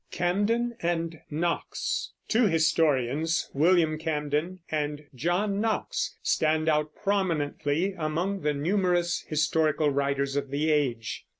CAMDEN AND KNOX. Two historians, William Camden and John Knox, stand out prominently among the numerous historical writers of the age.